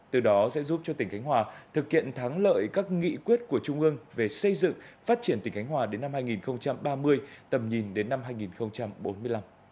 từ đó sẽ giúp cho tỉnh khánh hòa thực hiện thắng lợi các nghị quyết của trung ương về xây dựng phát triển tỉnh cánh hòa đến năm hai nghìn ba mươi tầm nhìn đến năm hai nghìn bốn mươi năm